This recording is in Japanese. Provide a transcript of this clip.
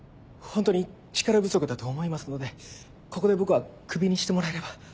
ホントに力不足だと思いますのでここで僕はクビにしてもらえれば。